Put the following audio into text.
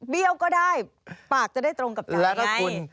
เบี้ยวก็ได้ปากจะได้ตรงกับจ่ายไง